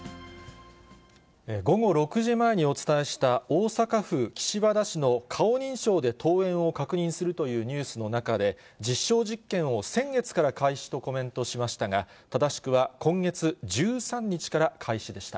午後６時前にお伝えした、大阪府岸和田市の顔認証で登園を確認するというニュースの中で、実証実験を先月から開始とコメントしましたが、正しくは今月１３日から開始でした。